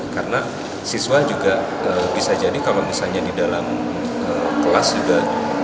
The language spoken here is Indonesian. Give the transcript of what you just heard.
karena siswa juga bisa jadi kalau misalnya di dalam kelas juga